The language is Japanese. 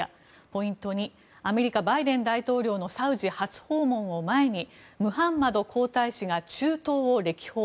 ポイント２アメリカ、バイデン大統領のサウジ初訪問を前にムハンマド皇太子が中東を歴訪。